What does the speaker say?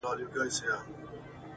او درد د حقيقت برخه ده